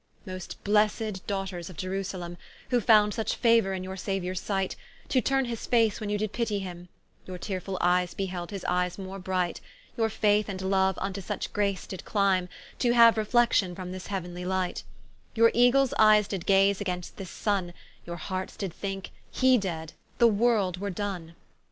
Most blessed Daughters of Ierusalem, Who found such fauor in your Sauiours sight, To turne his face when you did pitie him; Your tearefull eyes beheld his eyes more bright; Your Faith and Loue vnto such grace did clime, To haue reflection from this Heau'nly light: Your Eagles eies did gaze against this Sunne, Your hearts did thinke, he dead, the world were done.